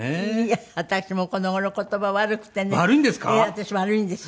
私悪いんですよ。